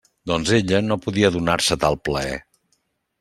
Doncs ella no podia donar-se tal plaer.